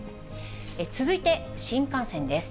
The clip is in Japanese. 続いて新幹線です。